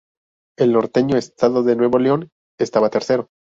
El norteño estado de Nuevo León estaba tercero.